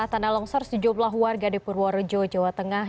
tanah longsor sejumlah warga di purworejo jawa tengah